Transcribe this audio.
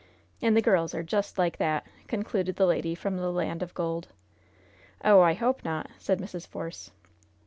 And the girls are just like that!" concluded the lady from the land of gold. "Oh, I hope not," said Mrs. Force.